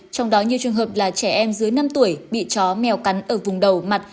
trong đó nhiều trường hợp là trẻ em dưới năm tuổi bị chó mèo cắn ở vùng đầu mặt